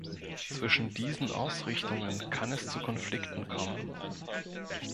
Zwischen diesen Ausrichtungen kann es zu Konflikten kommen.